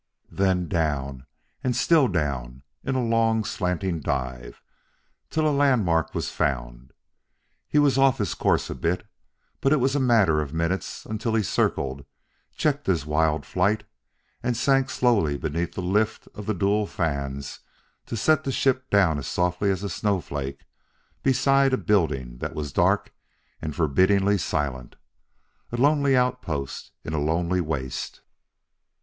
Then down and still down in a long, slanting dive, till a landmark was found. He was off his course a bit, but it was a matter of minutes until he circled, checked his wild flight, and sank slowly beneath the lift of the dual fans to set the ship down as softly as a snowflake beside a building that was dark and forbiddingly silent a lonely outpost in a lonely waste.